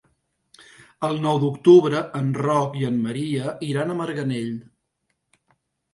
El nou d'octubre en Roc i en Maria iran a Marganell.